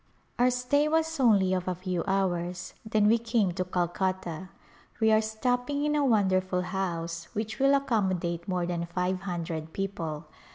Our stay was only of a few hours j then we came to Calcutta. We are stopping in a wonderful house which will accommodate more than five hundred people.